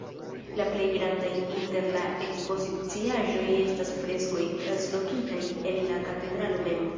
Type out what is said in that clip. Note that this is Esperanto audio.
La plej grandaj inter la ekspoziciaĵoj estas freskoj, translokitaj el la katedralo mem.